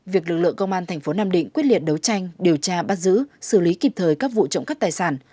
việc lực lượng công an thành phố nam định quyết liệt đấu tranh điều tra bắt giữ xử lý kịp thời các vụ trộm cắp tài sản